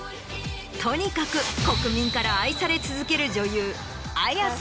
とにかく国民から愛され続ける。